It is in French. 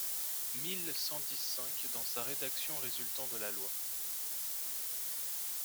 mille cent dix-cinq dans sa rédaction résultant de la loi.